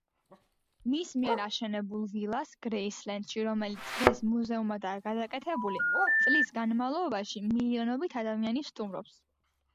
მის მიერ აშენებულ ვილას გრეისლენდში, რომელიც დღეს მუზეუმადაა გადაკეთებული, წლის განმავლობაში მილიონობით ადამიანი სტუმრობს.